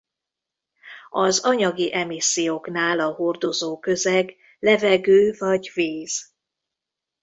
Az anyagi emisszióknál a hordozó közeg levegő vagy víz.